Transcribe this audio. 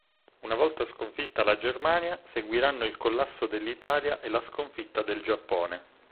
Una volta sconfitta la Germania, seguiranno il collasso dell'Italia e la sconfitta del Giappone".